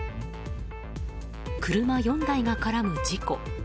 車４台が絡む事故。